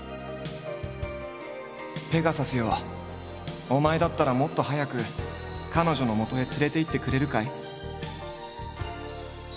「ペガサスよお前だったらもっと早くカノジョの元へ連れていってくれるかい？」。